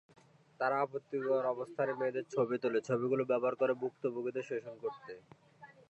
তারা আপত্তিকর অবস্থানে মেয়েদের ছবি তোলে, ছবিগুলি ব্যবহার করে ভুক্তভোগীদের শোষণ করতে।